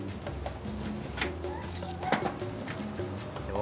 お。